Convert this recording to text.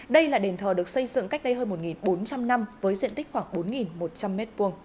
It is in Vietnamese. đây là đền thờ được xây dựng cách đây hơn một bốn trăm linh năm với diện tích khoảng bốn một trăm linh m hai